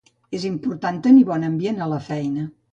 És important tenir bon ambient a la feina.